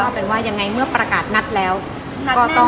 เป็นว่ายังไงเมื่อประกาศนัดแล้วก็ต้อง